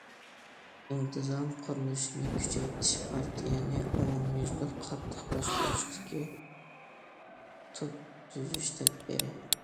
ئىنتىزام قۇرۇلۇشىنى كۈچەيتىش پارتىيەنى ئومۇميۈزلۈك قاتتىق باشقۇرۇشتىكى تۈپ تۈزەش تەدبىرى.